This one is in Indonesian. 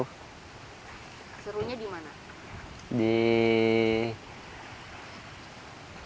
serunya di mana